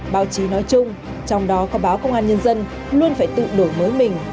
báo chí nói chung trong đó có báo công an nhân dân luôn phải tự đổi mới mình